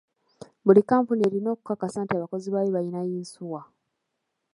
Buli kampuni erina okukakasa nti abakozi baayo bayina yinsuwa.